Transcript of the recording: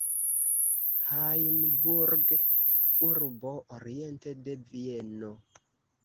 Hajnburg, urbo oriente de Vieno.